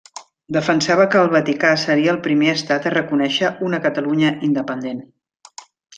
Defensava que el Vaticà seria el primer estat a reconèixer una Catalunya independent.